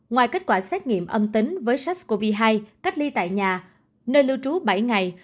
ngoài kết quả xét nghiệm âm tính với sars cov hai cách ly tại nhà nơi lưu trú bảy ngày